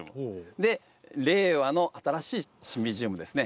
で令和の新しいシンビジウムですね。